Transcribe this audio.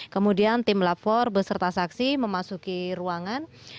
kemudian tim lapor beserta saksi memasuki ruangan